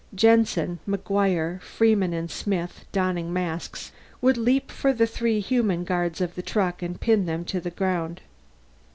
Jensen, McGuire, Freeman, and Smith, donning masks, would leap for the three human guards of the truck and pin them to the ground.